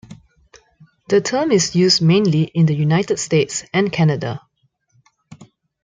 The term is used mainly in the United States and Canada.